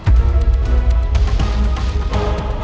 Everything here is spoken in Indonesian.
mbak andin selingkuh